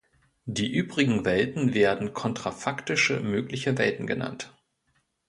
Die übrigen Welten werden kontrafaktische mögliche Welten genannt.